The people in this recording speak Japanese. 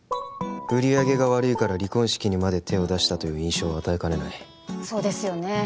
売り上げが悪いから離婚式にまで手を出したという印象を与えかねないそうですよね